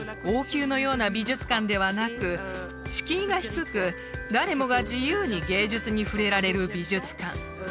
王宮のような美術館ではなく敷居が低く誰もが自由に芸術に触れられる美術館